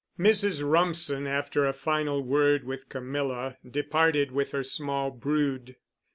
Mrs. Rumsen, after a final word with Camilla, departed with her small brood.